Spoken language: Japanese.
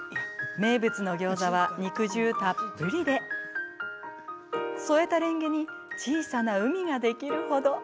名物のギョーザは肉汁たっぷりで添えたレンゲに小さな海ができるほど。